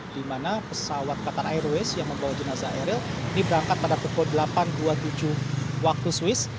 di mana pesawat qatar airways yang membawa jenazah eril ini berangkat pada pukul delapan dua puluh tujuh waktu swiss